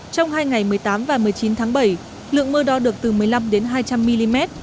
trong hai ngày một mươi tám và một mươi chín tháng bảy lượng mưa đo được từ một mươi năm đến hai trăm linh mm